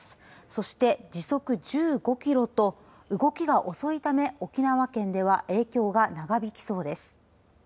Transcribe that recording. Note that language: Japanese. そして、時速１５キロと動きが遅いため沖縄県では影響が長引きそうです。